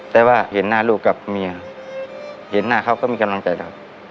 แต่ว่าเห็นหน้าลูกกับเมียเห็นหน้าเขาก็มีกำลังใจครับ